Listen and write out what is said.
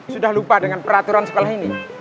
sudah lupa dengan peraturan sekolah ini